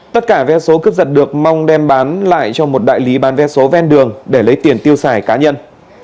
tất cả vé số cướp giật được mong đem bán lại cho một đại lý bán vé số ven đường để lấy tiền tiêu xài cá nhân